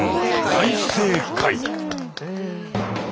大正解！